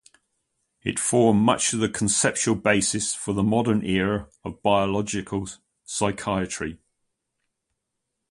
It formed much of the conceptual basis for the modern era in biological psychiatry.